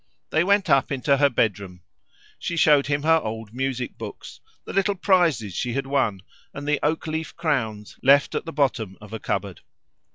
They went up into her bedroom. She showed him her old music books, the little prizes she had won, and the oak leaf crowns, left at the bottom of a cupboard.